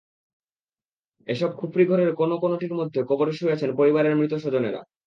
এসব খুপরিঘরের কোনো কোনোটির মধ্যে কবরে শুয়ে আছেন পরিবারের মৃত স্বজনেরা।